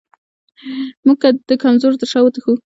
موږ د کمزورو تر شا وتښتو.